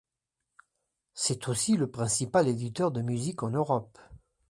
C'est aussi le principal éditeur de musique en Europe.